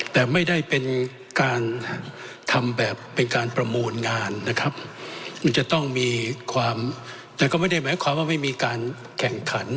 แต่ไม่ได้เป็นการทำแบบเป็นการประมูลงานนะครับมันจะต้องมีความแต่ก็ไม่ได้หมายความว่าไม่มีการแข่งขัน